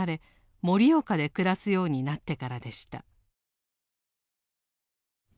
盛岡で暮らすようになってからでした。